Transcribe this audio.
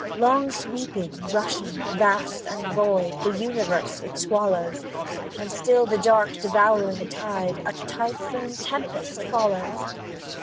Long sweeping, rushing, vast and void, The universe it swallows; And still the dark, devouring tide A typhoon tempest follows.